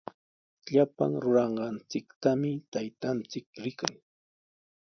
Llapan ruranqanchiktami taytanchik rikan.